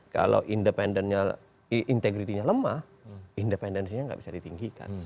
kalau independennya integritinya lemah independensinya nggak bisa ditinggikan